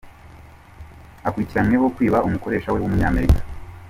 Akurikiranweho kwiba umukoresha we w’Umunyamerika